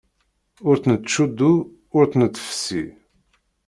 Ur tt-nettcuddu, ur tt-nettfessi!